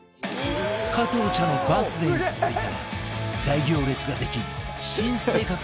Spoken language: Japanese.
加藤茶のバースデーに続いて大行列ができ新生活が始まる